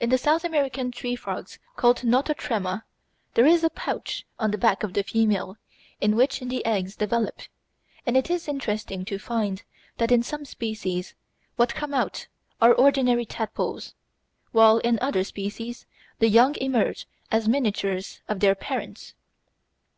In the South American tree frogs called Nototrema there is a pouch on the back of the female in which the eggs develop, and it is interesting to find that in some species what come out are ordinary tadpoles, while in other species the young emerge as miniatures of their parents.